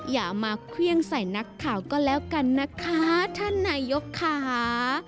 อย่ามาเครื่องใส่นักข่าวก็แล้วกันนะคะท่านนายกค่ะ